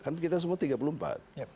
kan kita semua tiga puluh empat